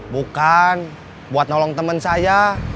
bukan buat nolong teman saya